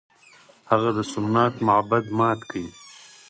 هغه د سومنات معبد مات کړ.